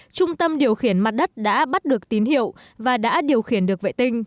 trung tâm điều khiển mặt đất đã bắt được tín hiệu và đã điều khiển được vệ tinh